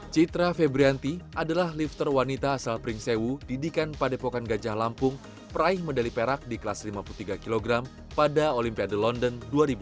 citra febrianti adalah lifter wanita asal pringsewu didikan padepokan gajah lampung peraih medali perak di kelas lima puluh tiga kg pada olimpiade london dua ribu enam belas